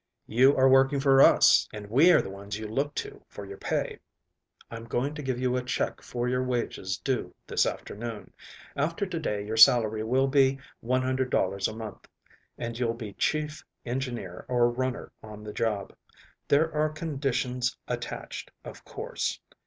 You are working for us, and we are the ones you look to for your pay. I'm going to give you a check for your wages due this afternoon. After to day your salary will be $100 a month, and you'll be chief engineer or runner on the job. There are conditions attached, of course.